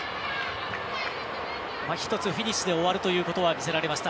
１つフィニッシュで終わるというところは見せられました。